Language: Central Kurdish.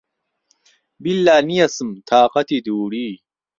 بیللا نیەسم تاقەتی دووری